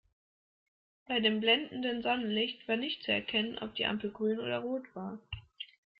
Bei dem blendenden Sonnenlicht war nicht zu erkennen, ob die Ampel grün oder rot war.